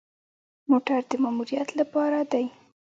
موټر د ماموریت لپاره دی